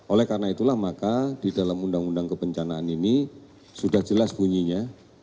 oleh karena itulah maka di dalam undang undang kebencanaan ini sudah jelas bunyinya